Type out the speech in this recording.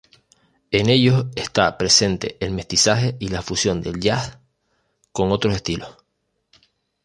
En ellos está presente el mestizaje y la fusión del jazz con otros estilos.